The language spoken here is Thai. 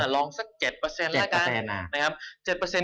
ลองสัก๗ละกัน